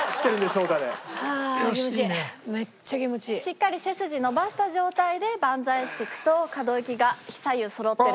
しっかり背筋伸ばした状態でバンザイしていくと可動域が左右そろってるのが。